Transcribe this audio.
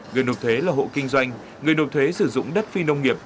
người nộp thuế là hộ kinh doanh người nộp thuế sử dụng đất phi nông nghiệp